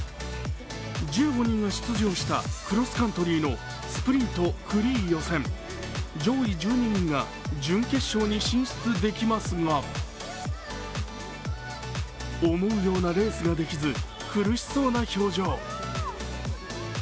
１５人が出場したクロスカントリーのスプリントフリー予選、上位１２人が準決勝に進出できますが思うようなレースができず苦しそうな表情。